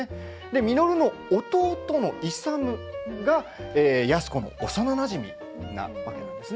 稔の弟の勇安子の幼なじみなわけなんです。